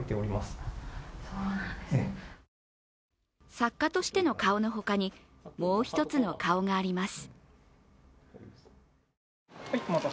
作家としての顔のほかにもう一つの顔があります。